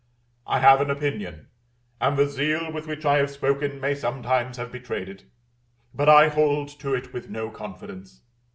I have an opinion, and the zeal with which I have spoken may sometimes have betrayed it, but I hold to it with no confidence.